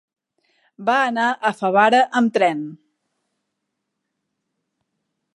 Va anar a Favara amb tren.